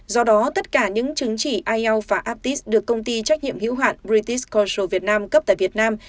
do đó tất cả những chứng chỉ ielts và aptis được công ty trách nhiệm hiếu hoạn british cultural vietnam cấp tại việt nam